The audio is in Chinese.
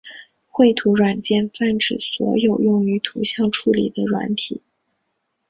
绘图软件泛指所有用于图像处理的软体。